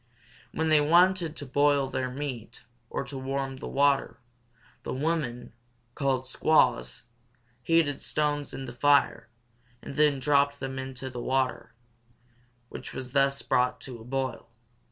When they wanted to boil their meat or to warm water, the women, called squaws, heated stones in the fire, and then dropped them into the water, which was thus brought to a boil.